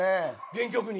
原曲に。